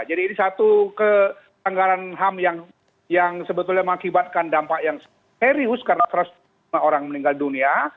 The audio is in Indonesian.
jadi ini satu pelanggaran ham yang sebetulnya mengakibatkan dampak yang serius karena seratus orang meninggal dunia